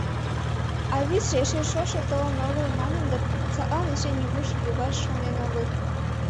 А вӱдшӧ эше шошо толын огыл манын дыр, садлан эше нигуш йогаш шонен огыл.